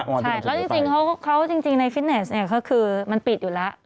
ใช่แล้วจริงเขาจริงในฟิตเนสเนี่ยก็คือมันปิดอยู่แล้ว